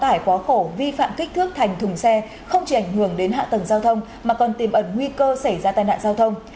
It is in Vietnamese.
tải quá khổ vi phạm kích thước thành thùng xe không chỉ ảnh hưởng đến hạ tầng giao thông mà còn tìm ẩn nguy cơ xảy ra tai nạn giao thông